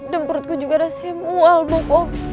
dan perutku juga rasanya mual bopo